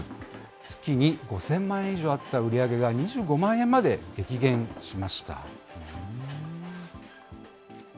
月に５０００万円以上あった売り上げが２５万円まで激減しました。